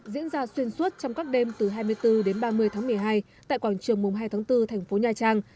diễn ra xuyên suốt trong các đêm từ hai mươi bốn đến ba mươi tháng một mươi hai tại quảng trường mùng hai tháng bốn thành phố nha trang